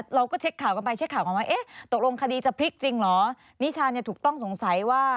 เราก็เช็คข่าวกันไปว่าตกลงคดีจะพลิกจริงเหรอนิชาถูกต้องสงสัยว่า